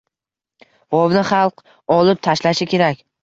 G‘ovni xalq olib tashlashi kerak.